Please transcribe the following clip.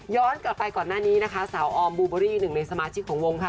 กลับไปก่อนหน้านี้นะคะสาวออมบูเบอรี่หนึ่งในสมาชิกของวงค่ะ